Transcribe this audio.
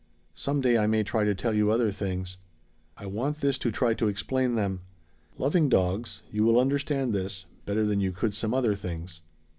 Some day I may try to tell you other things. I want this to try to explain them. Loving dogs, you will understand this better than you could some other things.